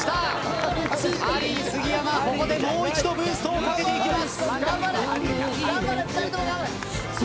ハリー杉山、ここでもう一度ブーストをかけていきます。